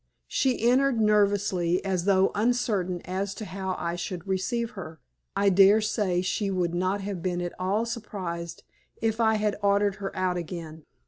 She entered nervously, as though uncertain as to how I should receive her. I daresay she would not have been at all surprised if I had ordered her out again.